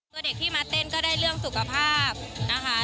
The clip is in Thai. ตัวเด็กที่มาเต้นก็ได้เรื่องสุขภาพนะคะ